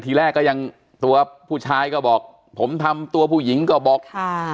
ทีแรกก็ยังตัวผู้ชายก็บอกผมทำตัวผู้หญิงก็บอกค่ะ